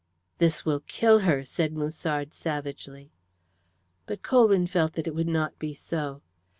"This will kill her," said Musard savagely. But Colwyn felt that it would not be so.